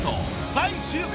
最終回。